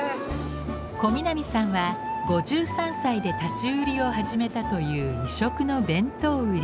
小南さんは５３歳で立ち売りを始めたという異色の弁当売り。